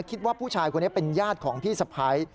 คิดว่าผู้ชายคนนี้เป็นญาติของพี่สะพ้าย